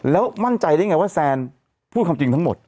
แล้วมั่นใจได้ไงว่าแซนพูดความจริงทั้งหมด